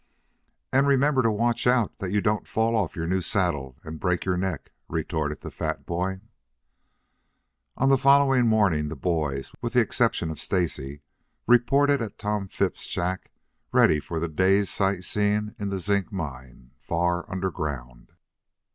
"And remember to watch out that you don't fall off your new saddle and break your neck," retorted the fat boy. On the following morning the boys, with the exception of Stacy, reported at Tom Phipps's shack ready for the day's sight seeing in the zinc mine far underground.